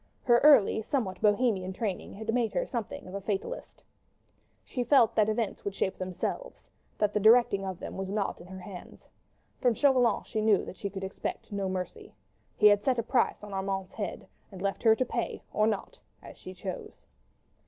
Her early, somewhat Bohemian training had made her something of a fatalist. She felt that events would shape themselves, that the directing of them was not in her hands. From Chauvelin she knew that she could expect no mercy. He had set a price upon Armand's head, and left it to her to pay or not, as she chose.